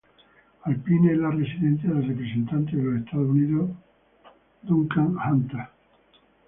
Alpine es la residencia del Representante de los Estados Unidos Duncan Hunter.